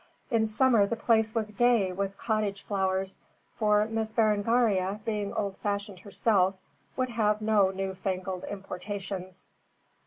In summer the place was gay with cottage flowers, for Miss Berengaria, being old fashioned herself, would have no new fangled importations.